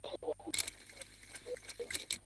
wagonjwa wa kisukari ni vyema kula viazi lishe